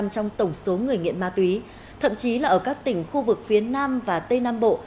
trong tổng số người nghiện ma túy thậm chí là ở các tỉnh khu vực phía nam và tây nam bộ